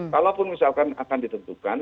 kalaupun misalkan akan ditentukan